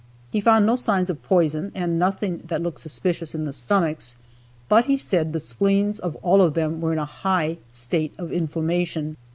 He found no signs of poison and nothing that looked suspicious in the stomachs; but he said, the spleens of all of them were in a high state of inflammation.